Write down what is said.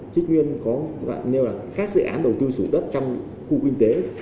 chích nguyên có các dự án đầu tư sủ đất trong khu kinh tế